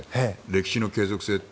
歴史の継続性。